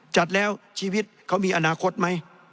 จัดแล้วชีวิตเขามีอนาคตไหม